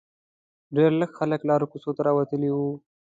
ډېر لږ خلک لارو کوڅو ته راوتلي ول.